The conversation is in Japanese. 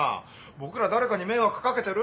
僕ら誰かに迷惑掛けてる？